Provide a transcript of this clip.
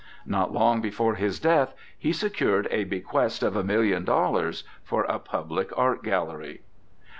Not long before his death he secured a bequest of a million dollars for a public art gallery.